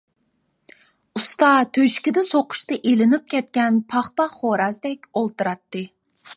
ئۇستا تۆشىكىدە سوقۇشتا ئېلىنىپ كەتكەن پاخپاق خورازدەك ئولتۇراتتى.